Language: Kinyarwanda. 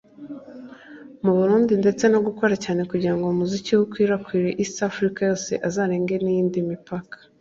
mu Burundi ndetse no gukora cyane kugira ngo umuziki we ukwirakwire East Africa yose azarenge n’iyindi mipaka